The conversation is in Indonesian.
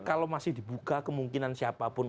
kalau masih dibuka kemungkinan siapapun